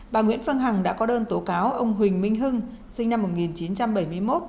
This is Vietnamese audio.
bà nguyễn phương hằng đã có đơn tố cáo ông huỳnh minh hưng sinh năm một nghìn chín trăm bảy mươi một